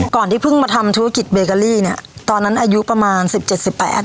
ที่เพิ่งมาทำธุรกิจเบเกอรี่เนี้ยตอนนั้นอายุประมาณสิบเจ็ดสิบแปด